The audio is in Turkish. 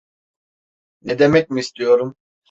Ne demek mi istiyorum?